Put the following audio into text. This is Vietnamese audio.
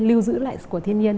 lưu giữ lại của thiên nhiên